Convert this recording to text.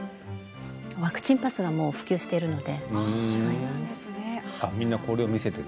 ワクチンパスが普及しているので。